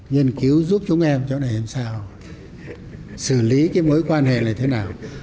nghiên cứu giúp chúng em chỗ này làm sao xử lý cái mối quan hệ này thế nào